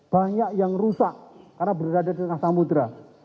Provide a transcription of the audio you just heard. banyak yang rusak karena berada di tengah samudera